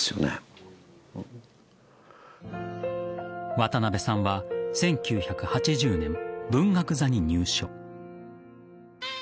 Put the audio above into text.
渡辺さんは１９８０年文学座に入所。